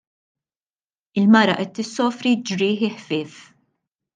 Il-mara qed issofri ġrieħi ħfief.